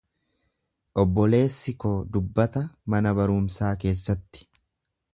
Obboleessi koo dubbata mana barumsaa keessatti.